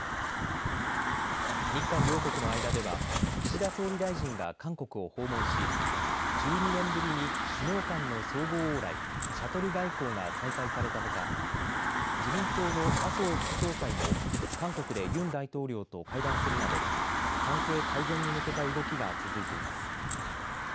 日韓両国の間では岸田総理大臣が韓国を訪問し１２年ぶりに首脳間の相互往来シャトル外交が再開されたほか自民党の麻生副総裁も韓国でユン大統領と会談するなど関係改善に向けた動きが続いています。